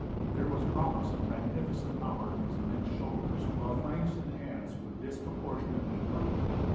There was promise of magnificent power in his im mense shoulders, while flanks and hams were dispro portionately light.